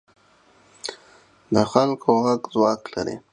د خلکو غږ ځواک لري